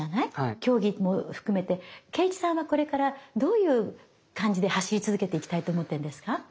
競技も含めて敬一さんはこれからどういう感じで走り続けていきたいと思ってるんですか？